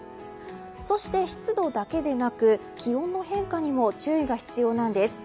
そして、湿度だけでなく気温の変化にも注意が必要なんです。